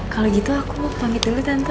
kalau gitu aku bangkit dulu tante